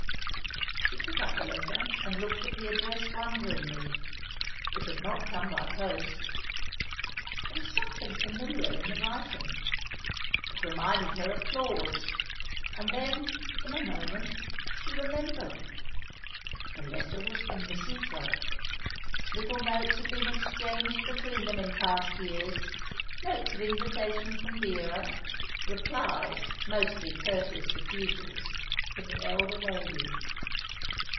She took up the letter, and looked at the address wonderingly. It had not come by post. There was something familiar in the writing. It reminded her of Claude's; and then, in a moment, she remembered. The letter was from Mrs. Rutherford. Little notes had been exchanged between them in past years, notes of invitation from Vera, replies, mostly courteous refusals, from the elder lady.